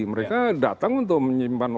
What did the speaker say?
mereka datang untuk menyimpan